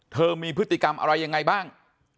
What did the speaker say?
มีพฤติกรรมอะไรยังไงบ้าง